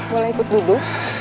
boleh ikut dulu